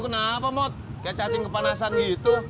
lu kenapa mut kayak cacing kepanasan gitu